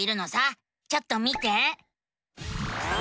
ちょっと見て！